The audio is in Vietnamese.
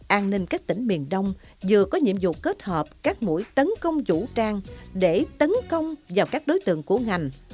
an ninh các tỉnh miền đông vừa có nhiệm vụ kết hợp các mũi tấn công vũ trang để tấn công vào các đối tượng của ngành